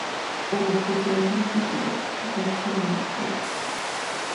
УрухкӀусила хӀулби дирар, гъабзала — някъби.